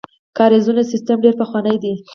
د کاریزونو سیسټم ډیر پخوانی دی